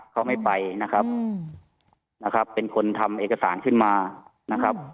เขาไม่ไปนะครับนะครับเป็นคนทำเอกสารขึ้นมานะครับ